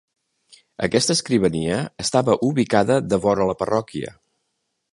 Aquesta escrivania estava ubicada devora la parròquia.